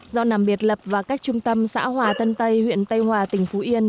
do nằm biệt lập vào các trung tâm xã hòa tân tây huyện tây hòa tỉnh phú yên